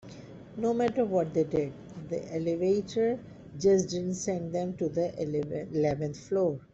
No matter what they did, the elevator just didn't send them to the eleventh floor.